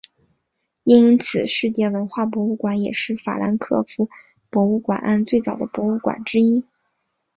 因此世界文化博物馆也是法兰克福博物馆岸最早的博物馆之一。